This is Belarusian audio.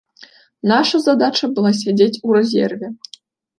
Наша задача была сядзець у рэзерве.